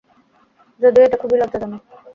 যদিও এটা খুবই লজ্জাজনক।